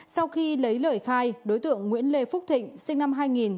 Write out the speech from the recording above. sau khi lấy lời khai đối tượng nguyễn lê phúc thịnh sinh năm hai nghìn